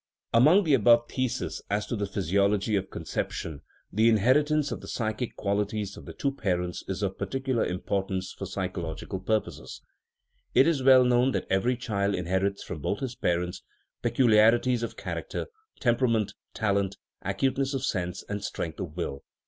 Among the above theses as to the physiology of con ception the inheritance of the psychic qualities of the two parents is of particular importance for psycho logical purposes. It is well known that every child inherits from both his parents peculiarities of char acter, temperament, talent, acuteness of sense, and strength of will.